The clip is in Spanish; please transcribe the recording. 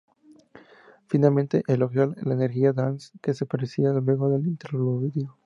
Finalmente, elogió la energía "dance" que se percibía luego del interludio.